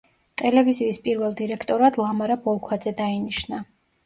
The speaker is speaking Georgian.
ტელევიზიის პირველ დირექტორად ლამარა ბოლქვაძე დაინიშნა.